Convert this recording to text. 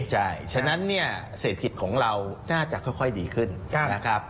ใช่ฉะนั้นเนี่ยเศรษฐกิจของเราน่าจะค่อยดีขึ้นนะครับ